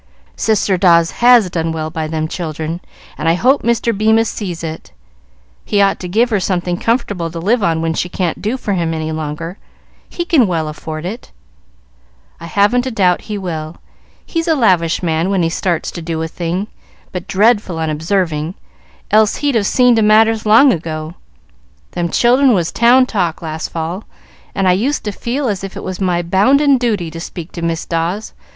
"Sister Dawes has done well by them children, and I hope Mr. Bemis sees it. He ought to give her something comfortable to live on when she can't do for him any longer. He can well afford it." "I haven't a doubt he will. He's a lavish man when he starts to do a thing, but dreadful unobserving, else he'd have seen to matters long ago. Them children was town talk last fall, and I used to feel as if it was my bounden duty to speak to Miss Dawes.